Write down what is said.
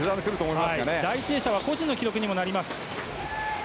第１泳者は個人の記録にもなります。